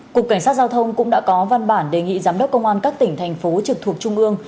cục cảnh sát giao thông cũng đã có văn bản đề nghị giám đốc công an các tỉnh thành phố trực thuộc trung ương